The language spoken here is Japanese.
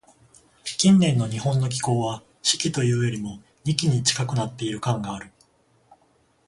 近年の日本の気候は、「四季」というよりも、「二季」に近くなっている感がある。